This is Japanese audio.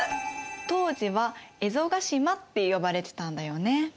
当時は蝦夷ヶ島って呼ばれてたんだよね。